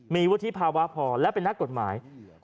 มีวุฒิภาวะพอและเป็นนักกฎหมาย